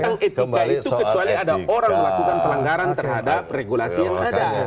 tentang etika itu kecuali ada orang melakukan pelanggaran terhadap regulasi yang ada